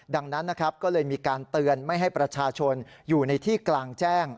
ดังนั้นนะครับก็เลยมีการเตือนไม่ให้ประชาชนอยู่ในที่กลางแจ้ง